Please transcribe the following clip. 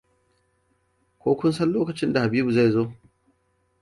Ko kun san lokacin da Habibu zai zo?